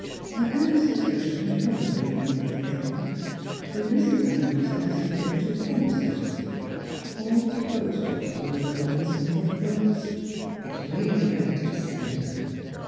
An earnest discussion had followed the read ing of the paper, with Mrs. Van Duser as its pivotal point, so to speak, — or, to quote Dr. Aurilla Robinson Cobb's words, " its radio active centre."